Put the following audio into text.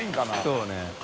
そうね。